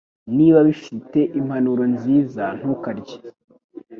Niba bifite impumuro nziza, ntukarye